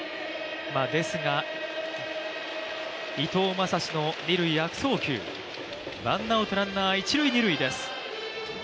ですが伊藤将司の二塁悪送球、ワンアウトランナー、一・二塁です。